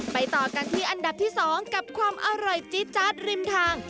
ต่อกันที่อันดับที่๒กับความอร่อยจี๊ดจ๊าดริมทาง